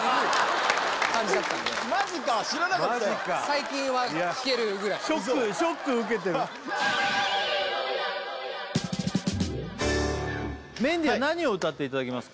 最近は聴けるぐらいショックショック受けてるメンディーは何を歌っていただけますか？